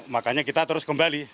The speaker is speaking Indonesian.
makanya kita terus kembali